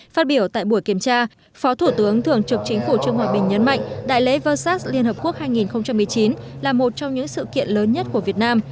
phát biểu tại buổi kiểm tra phó thủ tướng thường trực chính phủ trương hòa bình nhấn mạnh đại lễ vơ sát liên hợp quốc hai nghìn một mươi chín là một trong những sự kiện lớn nhất của việt nam